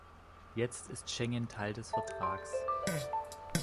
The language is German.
Jetzt ist Schengen Teil des Vertrags.